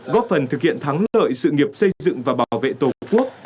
góp phần thực hiện thắng lợi sự nghiệp xây dựng và bảo vệ tổ quốc